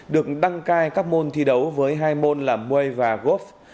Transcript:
được đăng cai các môn thi đấu với hai môn là muay và golf